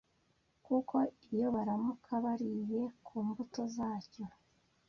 kuko iyo baramuka bariye ku mbuto zacyo